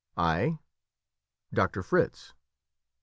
"I? Doctor Fritz."